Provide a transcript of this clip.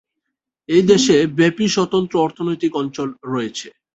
এই দেশে ব্যাপী স্বতন্ত্র অর্থনৈতিক অঞ্চল রয়েছে।